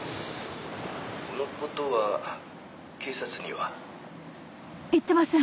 「この事は警察には？」言ってません。